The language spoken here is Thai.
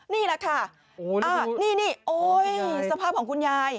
นี่แหละค่ะนี่โอ๊ยสภาพของคุณยาย